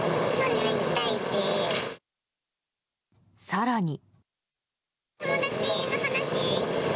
更に。